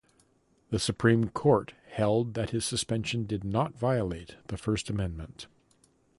The Supreme Court held that his suspension did not violate the First Amendment.